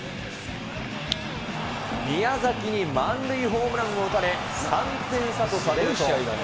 宮崎に満塁ホームランを打たれ、３点差とされると。